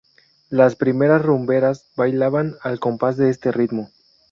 Las primeras rumberas bailaban al compás de este ritmo.